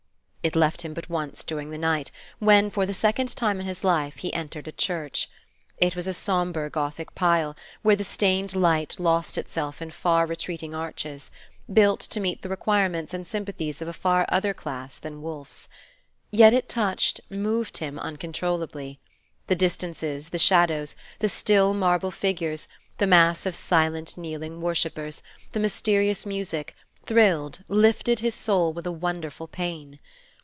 It left him but once during the night, when, for the second time in his life, he entered a church. It was a sombre Gothic pile, where the stained light lost itself in far retreating arches; built to meet the requirements and sympathies of a far other class than Wolfe's. Yet it touched, moved him uncontrollably. The distances, the shadows, the still, marble figures, the mass of silent kneeling worshippers, the mysterious music, thrilled, lifted his soul with a wonderful pain.